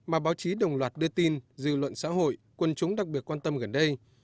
mà báo chí đồng loạt đưa tin dư luận xã hội quân chúng đặc biệt quan tâm gần đây